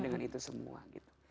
dengan itu semua gitu